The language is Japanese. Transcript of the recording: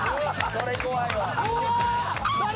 これ怖いわ。